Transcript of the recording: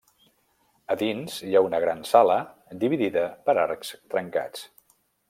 A dins hi ha una gran sala dividida per arcs trencats.